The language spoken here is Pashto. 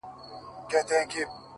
ځوان ژاړي سلگۍ وهي خبري کوي ـ